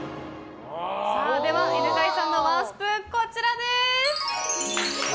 では犬飼さんのワンスプーンこちらです！